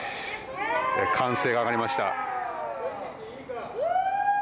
歓声が上がりました。